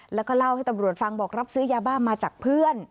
แล้วก็เล่าให้ตำรวจฟังบอกรับซื้อยาบ้ามาจากเพื่อน